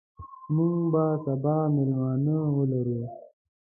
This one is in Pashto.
موږ به سبا مېلمانه ولرو.